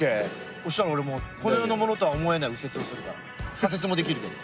そしたら俺もこの世のものとは思えない右折をするから。